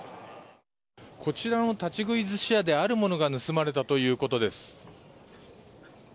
こちらの立ち食い寿司屋であるものが盗まれたということです。